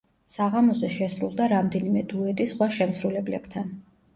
საღამოზე შესრულდა რამდენიმე დუეტი სხვა შემსრულებლებთან.